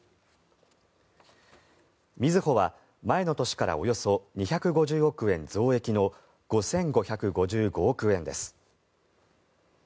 みずほは前の年からおよそ２５０億円増益の５５５５億円です。